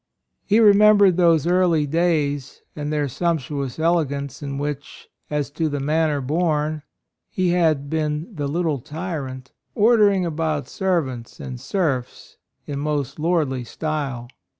He remembered those early days and their sumptuous elegance, in which, as to the manner born, he had been the little tyrant, ordering about servants and serfs in most lordly style.